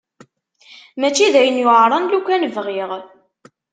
Mačči d ayen yuɛren lukan bɣiɣ.